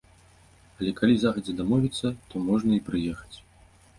Але калі загадзя дамовіцца, то можна і прыехаць.